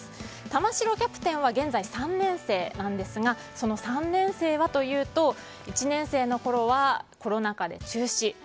玉城キャプテンは現在、３年生なんですがその３年生はというと１年生のころはコロナ禍で中止。